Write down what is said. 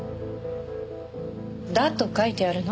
だと書いてあるの。